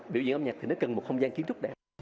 biểu diễn âm nhạc thì nó cần một không gian kiến trúc đẹp